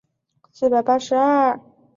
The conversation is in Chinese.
埃代人口变化图示